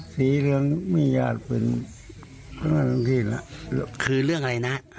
เถียงกันนี่ละ